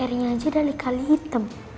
airnya aja dari kali hitam